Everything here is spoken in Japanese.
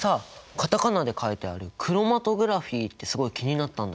カタカナで書いてあるクロマトグラフィーってすごい気になったんだけど。